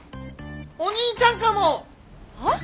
お兄ちゃんかも！は？